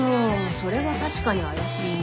それは確かに怪しいね。